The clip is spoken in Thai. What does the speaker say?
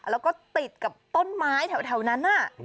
แล้วก็ติดกับต้นไม้แถวนั้น